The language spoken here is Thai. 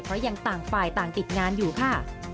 เพราะยังต่างฝ่ายต่างติดงานอยู่ค่ะ